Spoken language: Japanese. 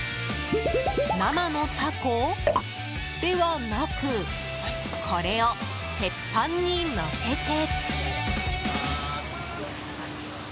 生のタコではなくこれを鉄板にのせて。